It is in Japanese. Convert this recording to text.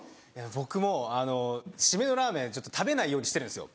僕もう締めのラーメン食べないようにしてるんですよ。